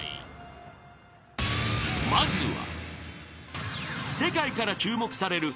［まずは］